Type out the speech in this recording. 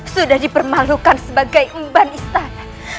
sudah dipermalukan sebagai umban istana